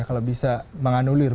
kalau bisa menganulir